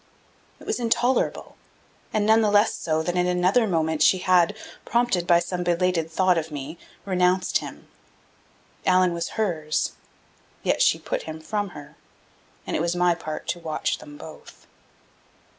It was intolerable; and none the less so that in another moment she had, prompted by some belated thought of me, renounced him. Allan was hers, yet she put him from her; and it was my part to watch them both.